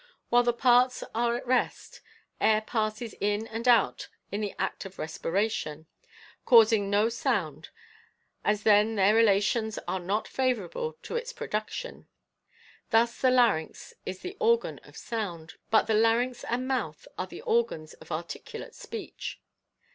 While the parts are at rest, air passes in and out in the act of respiration, causing no sound, as then their relations are not favorable to its production. Thus the larynx is the organ of sound; but the larynx and mouth are the organs of articulate speech.